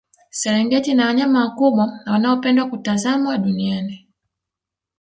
serengeti ina wanyama wakubwa wanaopendwa kutazamwa duniani